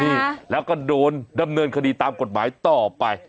นี่แล้วก็โดนดำเนินคดีตามกฎหมายต่อไป